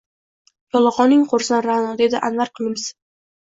–Yolg’oning qursin, Ra’no, – dedi Anvar kulimsib.